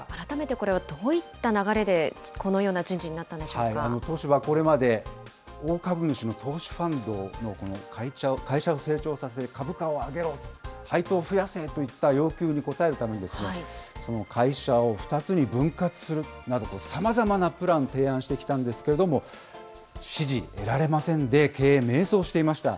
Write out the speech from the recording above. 改めてこれはどういった流れで、このような人事になったんで東芝、これまで大株主の投資ファンドの会社を成長させ、株価を上げろ、配当を増やせといった要求に応えるために、会社を２つに分割するなどと、さまざまなプラン、提案してきたんですけれども、支持得られませんで、経営、迷走していました。